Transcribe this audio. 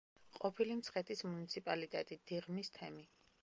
ყოფილი მცხეთის მუნიციპალიტეტი, დიღმის თემი.